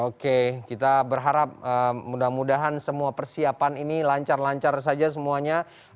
oke kita berharap mudah mudahan semua persiapan ini lancar lancar saja semuanya